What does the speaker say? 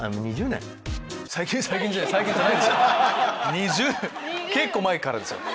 ２０年結構前からですよ。